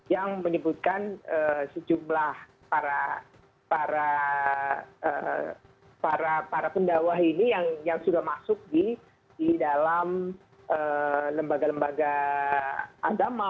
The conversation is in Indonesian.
yang menyebutkan sejumlah para pendakwah ini yang sudah masuk di dalam lembaga lembaga agama